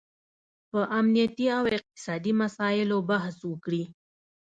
په امنیتي او اقتصادي مساییلو بحث وکړي